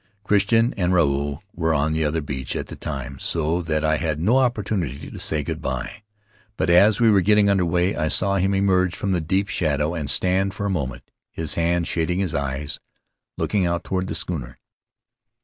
Crich ton and Ruau were on the other beach at the time, so that I had no opportunity to say good by; but as we were getting under way I saw him emerge from the deep shadow and stand for a moment, his hand shading his eyes, looking out toward the schooner.